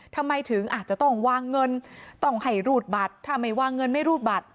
ทำไมถึงอาจจะต้องวางเงินต้องให้รูดบัตรถ้าไม่วางเงินไม่รูดบัตร